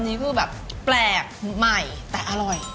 อันนี้คือแบบแปลกใหม่แต่อร่อย